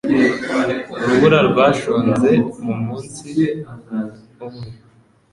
Urubura rwashonze mumunsi umwe.